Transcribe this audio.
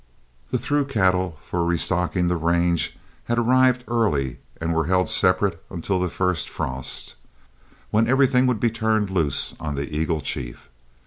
The through cattle for restocking the range had arrived early and were held separate until the first frost, when everything would be turned loose on the Eagle Chief.